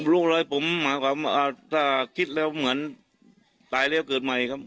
ลุกเลยผมถ้าคิดแล้วเหมือนตายแล้วเกิดใหม่ครับ